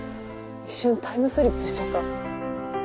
一瞬タイムスリップしちゃった。